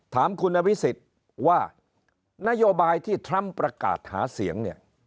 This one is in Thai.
ถามคุณอภิษฎว่านโยบายที่ทรัมป์ประกาศหาเสียงเนี่ย